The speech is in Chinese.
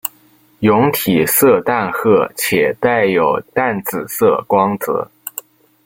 蛹体色淡褐且带有淡紫色光泽。